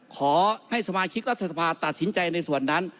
ขอให้สมาชิกรัฐสภาตัดสินใจในส่วนนั้น